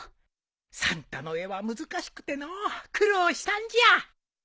サンタの絵は難しくてのう苦労したんじゃ。